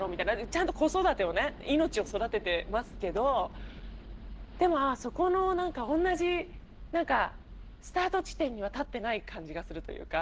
ちゃんと子育てをね命を育ててますけどでもそこのおんなじスタート地点には立ってない感じがするというか。